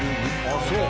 ああそう。